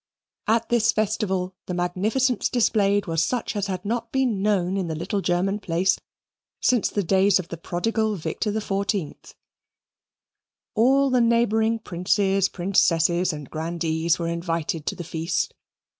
At this festival the magnificence displayed was such as had not been known in the little German place since the days of the prodigal Victor XIV. All the neighbouring Princes, Princesses, and Grandees were invited to the feast.